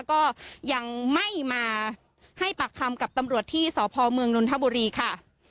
ก็ยังไม่มาให้ปากคำกับตำรวจที่สพเมืองนนทบุรีค่ะ